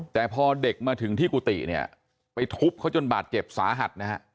แต่พอเด็กมาถึงที่กุฏิเนี่ยไปทุบเขาจนบาดเจ็บสาหัสนะฮะ